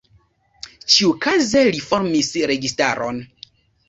Ĉiukaze li formis registaron.